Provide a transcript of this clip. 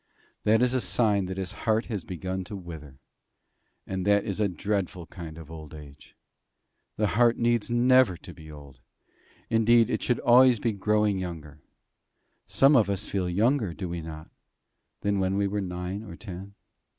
That is a sign that his heart has begun to wither. And that is a dreadful kind of old age. The heart needs never be old. Indeed it should always be growing younger. Some of us feel younger, do we not, than when we were nine or ten?